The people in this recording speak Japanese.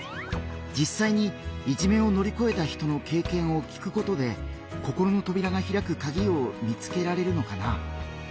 じっさいにいじめを乗り越えた人の経験を聞くことで心のとびらがひらくカギを見つけられるのかな？